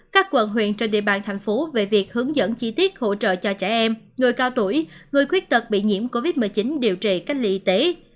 các quận huyện trên địa bàn thành phố về việc hướng dẫn chi tiết hỗ trợ cho trẻ em người cao tuổi người khuyết tật bị nhiễm covid một mươi chín điều trị cách ly y tế